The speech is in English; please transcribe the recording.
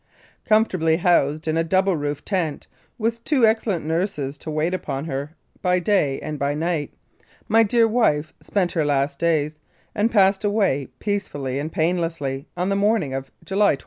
Comfortably housed in a double roofed tent, with two excellent nurses to wait upon her by day and by night, my dear wife spent her last days, and passed away peacefully and painlessly on the early morning of July 22.